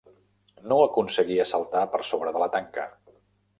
No aconseguia saltar per sobre de la tanca.